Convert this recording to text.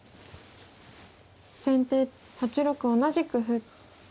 先手８六同じく歩。